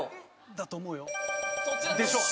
だと思うよ。でしょう。